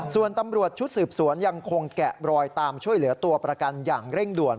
ส่วนตำรวจชุดสืบสวนยังคงแกะรอยตามช่วยเหลือตัวประกันอย่างเร่งด่วน